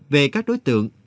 về các đối tượng